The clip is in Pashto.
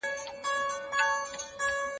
سپین سرې وویل چې نن شپه به ډېر باران وشي.